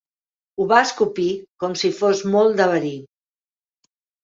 Ho va escopir com si fos molt de verí.